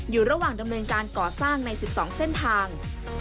อยู่ระหว่างดำเนินการก่อสร้างใน๑๒เส้นทาง